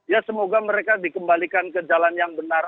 ya semoga mereka dikembalikan ke jalan yang benar